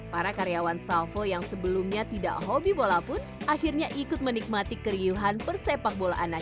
para karyawan salvo yang sebelumnya tidak hobi bola pun akhirnya ikut menikmati keriuhan persepakbolaan